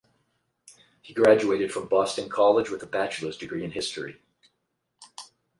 He graduated from Boston College with a bachelor's degree in history.